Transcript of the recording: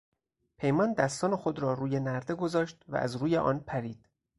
پیمان دستان خود را روی نرده گذاشت و از روی آن پرید.